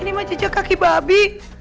ini mau jejak kaki babi